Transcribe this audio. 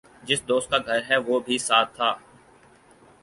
جس دوست کا گھر ہےوہ بھی ساتھ تھا ۔